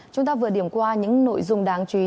chúng ta vừa điểm qua những nội dung đáng chú ý